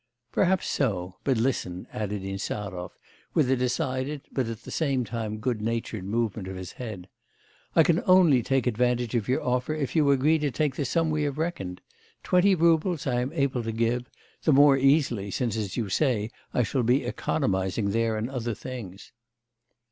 'Perhaps so; but listen,' added Insarov, with a decided, but at the same time good natured movement of his head: 'I can only take advantage of your offer if you agree to take the sum we have reckoned. Twenty roubles I am able to give, the more easily, since, as you say, I shall be economising there in other things.